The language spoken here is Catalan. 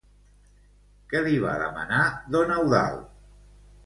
Què li va demanar don Eudald?